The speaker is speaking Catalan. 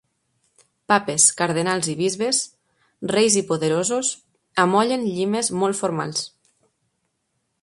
Papes, cardenals i bisbes, reis i poderosos, amollen llimes molt formals.